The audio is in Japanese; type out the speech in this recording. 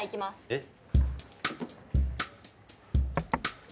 えっ！